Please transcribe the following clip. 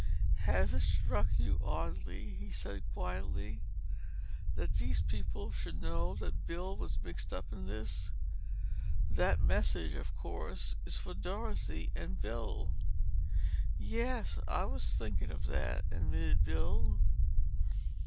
"Has it struck you oddly," he said quietly, "that these people should know that Bill was mixed up in this? That message, of course, is for Dorothy and Bill." "Yes, I was thinking of that," admitted Bill.